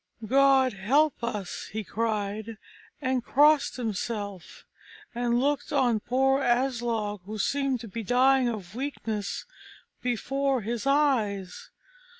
"God help us!" he cried, and crossed himself, and looked on poor Aslog, who seemed to be dying of weakness before his eyes.